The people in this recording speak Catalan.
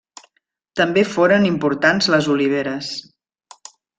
També foren importants les oliveres.